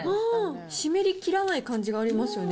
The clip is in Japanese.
湿りきらない感じがありますよね。